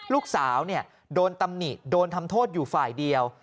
ลูกสาวโดนตำหนิโดนทำโทษอยู่ฝ่ายเดียว